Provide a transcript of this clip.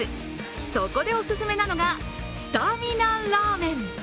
そこでおすすめなのがスタミナラーメン。